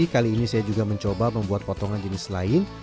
kali ini saya juga mencoba membuat potongan jenis lain